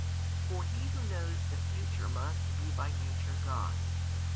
For He Who knows the future must be by nature God.